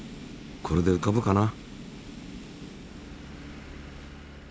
これでうかぶかな？